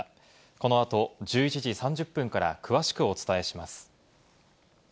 この後１１時３０分から詳しくお伝えします。